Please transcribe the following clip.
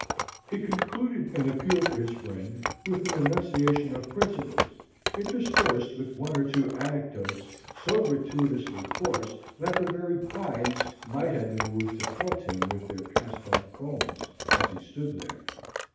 He concluded an appeal for his friend, with an enunciation of principles, interspersed with one or two anecdotes so gratuitously coarse that the very pines might have been moved to pelt him with their cast off cones, as he stood there.